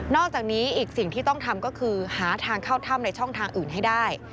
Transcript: อกจากนี้อีกสิ่งที่ต้องทำก็คือหาทางเข้าถ้ำในช่องทางอื่นให้ได้